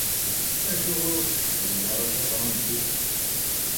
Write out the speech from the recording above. Acuɣeṛ ur tḥeffḍeḍ ara tafṛansist?